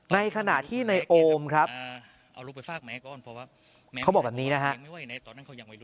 ในขณะที่ในโอมครับเขาบอกแบบนี้นะครับ